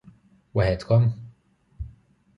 Waħedkom?